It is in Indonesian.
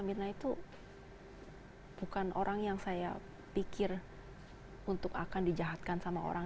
mirna itu bukan orang yang saya pikir untuk akan dijahatkan sama orang